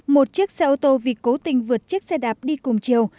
một chiếc xe ô tô vì cố tình vượt chiếc xe đạp đi cùng chiều